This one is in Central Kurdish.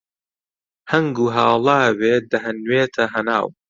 هەنگ و هاڵاوێ دەهەنوێتە هەناو